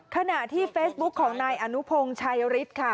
ขณะที่เฟซบุ๊คของนายอนุพงศ์ชัยฤทธิ์ค่ะ